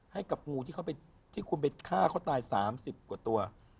ให้กับงูที่คุณไปฆ่าเขาตาย๓๐กว่าตัว